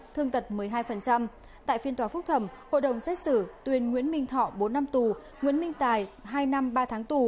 thương tật một mươi hai tại phiên tòa phúc thẩm hội đồng xét xử tuyên nguyễn minh thọ bốn năm tù nguyễn minh tài hai năm ba tháng tù